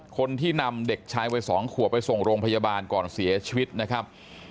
คนที่นำเด็กชายวัย๒ขัวไปส่งโรงพยาบาลก่อนเสียชีวิตนะครับ